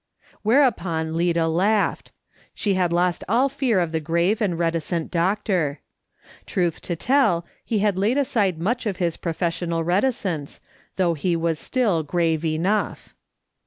^' Whereupon Lida laughed. She had lost all fear of the grave and reticent doctor. Truth to tell, he had laid aside much of his professional reticence, though he was still grave enough.